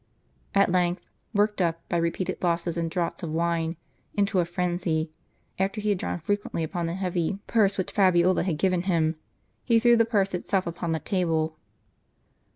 At length, worked up, by repeated losses and draughts of wine, into a frenzy, after he had drawn frequently upon the heavy purse which Fabiola had given him, he threw the purse itself upon the table.